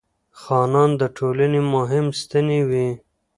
خانان د ټولنې مهم ستنې وې.